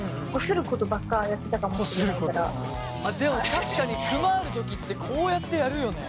でも確かにクマあるときってこうやってやるよね